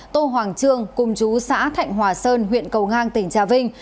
tô hoàng trương cung chú xã thạnh hòa sơn huyện cầu ngang tỉnh trà vinh